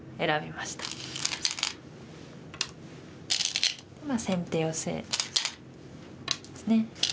まあ先手ヨセですね。